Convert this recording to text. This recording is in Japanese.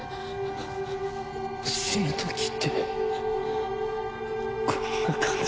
死ぬ時ってこんな感じなのかな。